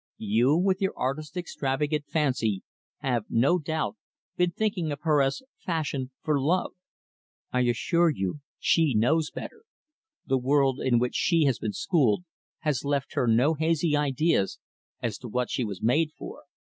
You, with your artist's extravagant fancy, have, no doubt, been thinking of her as fashioned for love. I assure you she knows better. The world in which she has been schooled has left her no hazy ideas as to what she was made for."